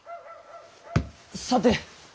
さて。